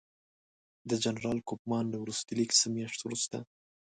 د جنرال کوفمان له وروستي لیک څه میاشت وروسته.